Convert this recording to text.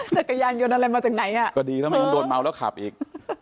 จักรยานยนต์อะไรมาจากไหนอ่ะก็ดีถ้าไม่งั้นโดนเมาแล้วขับอีก